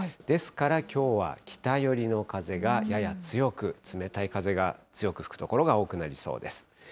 ですからきょうは、北寄りの風がやや強く、冷たい風が強く吹く所が多くなりそうです。